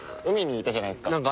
海にいたじゃないですか。